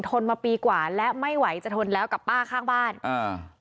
ทนมาปีกว่าและไม่ไหวจะทนแล้วกับป้าข้างบ้านอ่า